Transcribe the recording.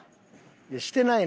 いやしてないねん。